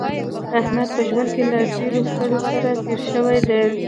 احمد په ژوند کې له ډېرو ستړو سره پېښ شوی دی.